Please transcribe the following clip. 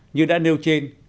như đã nêu trên